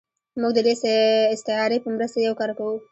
موږ د دې استعارې په مرسته یو کار کوو.